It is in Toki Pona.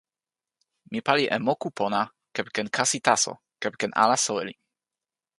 mi pali e moku pona kepeken kasi taso, kepeken ala soweli.